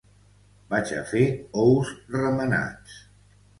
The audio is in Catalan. Vaig a fer ous remenats.